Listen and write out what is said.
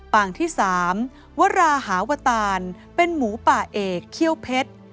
ที่๓วราหาวตานเป็นหมูป่าเอกเขี้ยวเพชร